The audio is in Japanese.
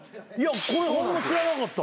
これホンマ知らなかった。